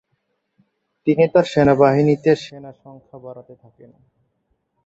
তিনি তার সেনাবাহিনীতে সেনা সংখ্যা বাড়াতে থাকেন।